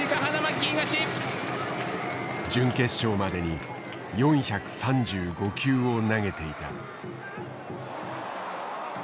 準決勝までに４３５球を投げていた。